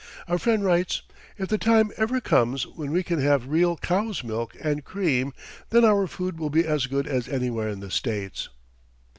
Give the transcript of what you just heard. A friend writes, "If the time ever comes when we can have real cow's milk and cream, then our food will be as good as anywhere in the States."